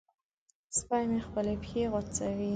سپی مې خپلې پښې غځوي.